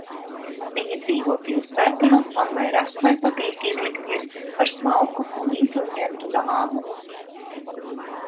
Viņi dzīvo pilsētā, mammai Rasmai patīk izlikties par smalku un inteliģentu dāmu.